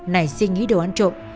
này suy nghĩ đồ ăn trộm